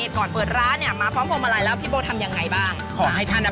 ที่พี่โบ